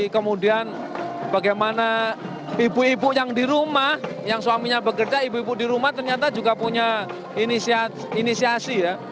kemudian bagaimana ibu ibu yang di rumah yang suaminya bekerja ibu ibu di rumah ternyata juga punya inisiasi ya